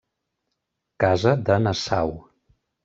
Casa de Nassau.